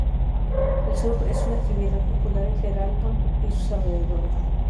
El Surf es una actividad popular en Geraldton y sus alrededores.